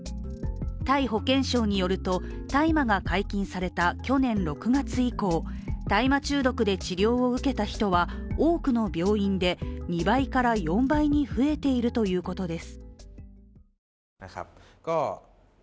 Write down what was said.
タイ保健省によると、大麻が解禁された去年６月以降、大麻中毒で治療を受けた人は多くの病院で２倍から４倍に増えているということです。